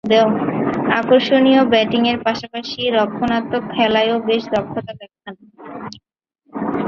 আকর্ষণীয় ব্যাটিংয়ের পাশাপাশি রক্ষণাত্মক খেলায়ও বেশ দক্ষতা দেখান।